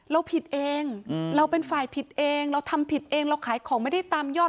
เราผิดเองเราเป็นฝ่ายผิดเองเราทำผิดเองเราขายของไม่ได้ตามยอด